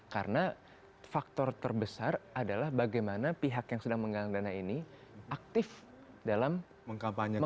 karena faktor terbesar adalah bagaimana pihak yang sedang menggalang dana ini aktif dalam mengkampanyekan